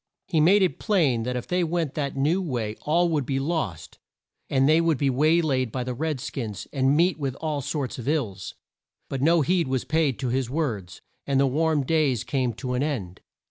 He made it plain that if they went that new way all would be lost, and they would be way laid by the red skins and meet with all sorts of ills. But no heed was paid to his words, and the warm days came to an end.